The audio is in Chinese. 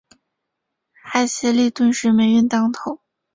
艾希莉顿时霉运当头。